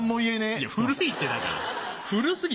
いや古いってだから古過ぎ